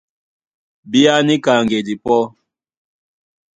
Bíá níka ŋgedi pɔ́!